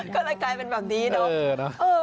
ก็เลยกลายเป็นแบบนี้เนาะ